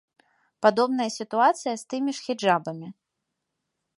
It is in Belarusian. Падобная сітуацыя з тымі ж хіджабамі.